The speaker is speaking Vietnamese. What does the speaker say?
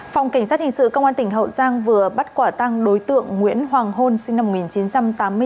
phòng cảnh sát hình sự công an tỉnh hậu giang vừa bắt quả tăng đối tượng nguyễn hoàng hôn sinh năm một nghìn chín trăm tám mươi bốn